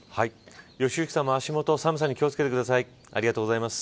良幸さんも寒さに気を付けてください。